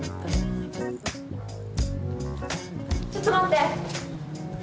ちょっと待って！